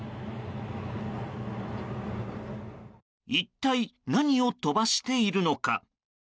一体、何を飛ばしているのか。